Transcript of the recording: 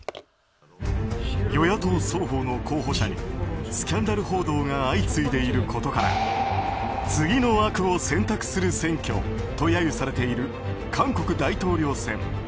与野党双方の候補者にスキャンダル報道が相次いでいることから次の悪を選択する選挙と揶揄されている韓国大統領選。